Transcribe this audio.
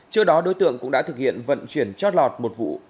trước đó đối tượng cũng đã thực hiện vận chuyển chót lọt một vụ